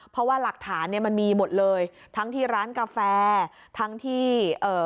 เพราะว่าหลักฐานเนี้ยมันมีหมดเลยทั้งที่ร้านกาแฟทั้งที่เอ่อ